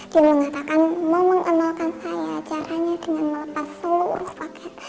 dia mengatakan mau mengenalkan saya caranya dengan melepas seluruh paket